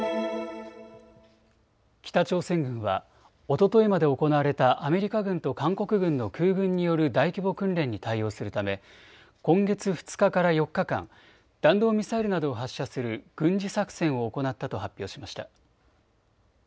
北朝鮮軍はおとといまで行われたアメリカ軍と韓国軍の空軍による大規模訓練に対応するため今月２日から４日間、弾道ミサイルなどを発射する軍事作戦を行ったと発表しました。